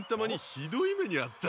ひどい目にあった。